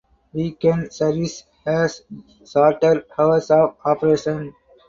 Weekend service has shorter hours of operation.